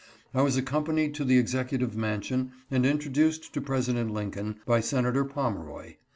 I was accompanied to the executive mansion and introduced to President Lincoln by Senator Pomeroy.